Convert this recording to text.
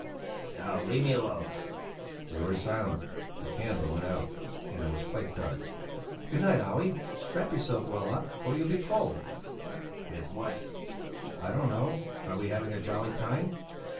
"No, leave me alone!" They were silent. The candle went out and it was quite dark. "Good night, Olle; wrap yourself well up, or you'll be cold." "What with?" "I don't know. Aren't we having a jolly time?"